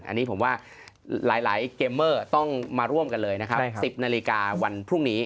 อันนี้ผมว่าหลายเกมเมอร์ต้องมาร่วมกันเลยนะครับ๑๐นาฬิกาวันพรุ่งนี้